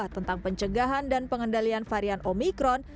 tentang pencegahan dan pengendalian varian omikron